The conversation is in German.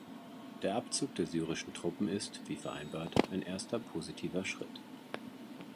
Der Abzug der syrischen Truppen ist, wie vereinbart, ein erster positiver Schritt.